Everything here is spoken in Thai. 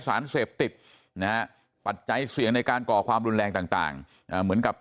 สารเสพติดนะฮะปัจจัยเสี่ยงในการก่อความรุนแรงต่างเหมือนกับ